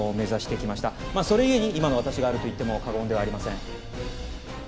それゆえに今の私があると言っても過言ではありません。